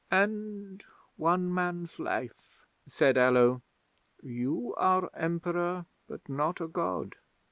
"And one man's life," said Allo. "You are Emperor, but not a God.